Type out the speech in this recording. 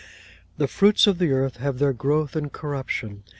The fruits of the earth have their growth in corruption.